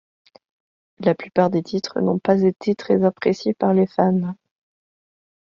La plupart des titres n'ont pas été très appréciés par les fans.